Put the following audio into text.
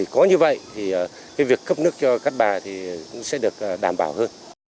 có như vậy thì việc cấp nước cho các bà sẽ được đảm bảo hơn